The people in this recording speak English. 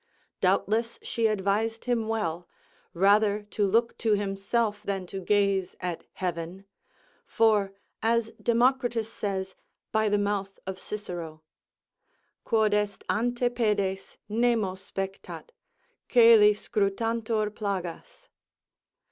Doubtless she advised him well, rather to look to himself than to gaze at heaven; for, as Democritus says, by the mouth of Cicero, Quod est ante pedes, nemo spectat: coeli scrutantur plagas.